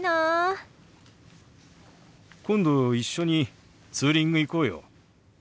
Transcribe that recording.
今度一緒にツーリング行こうよ。